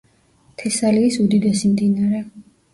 თესალიის უდიდესი მდინარე.